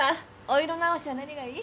お色直しは何がいい？